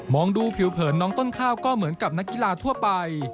ดูผิวเผินน้องต้นข้าวก็เหมือนกับนักกีฬาทั่วไป